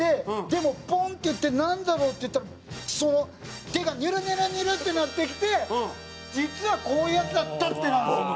でも「ボンっ」って言って「なんだろう？」って言ったら手がにゅるにゅるにゅるってなってきて実はこういうヤツだったってなるんですよ。